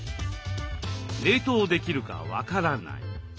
「冷凍できるか分からない」。